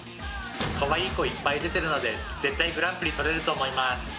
かわいい子いっぱい出てるので絶対グランプリとれると思います